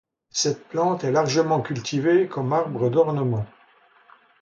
Cette plante est largement cultivée comme arbre d'ornement.